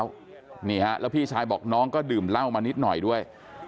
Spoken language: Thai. แล้วพี่ชายบอกน้องก็ดื่มเหล้ามานิดหน่อยด้วย